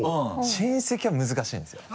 親戚は難しいんですよ。